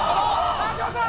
川島さん